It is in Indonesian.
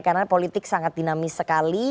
karena politik sangat dinamis sekali